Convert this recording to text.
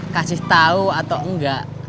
kasih tau atau enggak